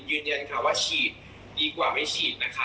ยืนยันว่าฉีดดีกว่าไม่ฉีด